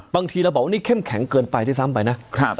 บางทีเราบอกว่านี่แข็งเกินไปทุกท่านไปนะ